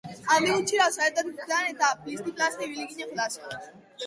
Handik gutxira osaba etorri zitzaidan eta plisti-plasta ibili ginen jolasean.